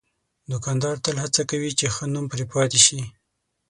دوکاندار تل هڅه کوي چې ښه نوم پرې پاتې شي.